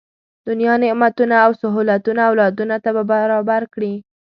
دنیا نعمتونه او سهولتونه اولادونو ته برابر کړي.